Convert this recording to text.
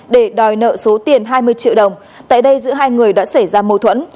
để đòi nợ số tiền hai mươi triệu đồng tại đây giữa hai người đã xảy ra mâu thuẫn